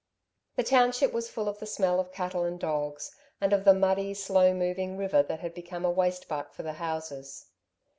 The township was full of the smell of cattle and dogs, and of the muddy, slowly moving river that had become a waste butt for the houses.